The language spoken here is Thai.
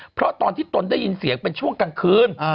เพราะตอนที่ตนได้ยินเสียงเป็นช่วงกลางคืน